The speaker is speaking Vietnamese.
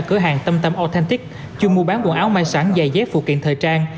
cửa hàng tâm tâm authentic chung mua bán quần áo mai sẵn dài dép phụ kiện thời trang